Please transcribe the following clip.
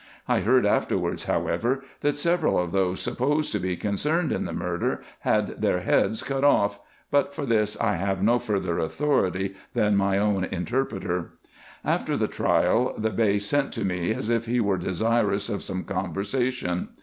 I heard afterwards, however, that several of those supposed to be concerned in the murder had their heads cut off; but for this I have no further authority than my own interpreter. After the trial the Bey sent to me, as if he were desirous of some conversation.